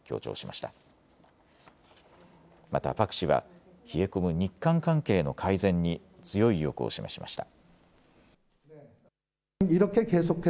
またパク氏は冷え込む日韓関係の改善に強い意欲を示しました。